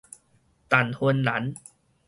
陳芬蘭